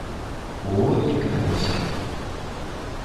Olha que não sei.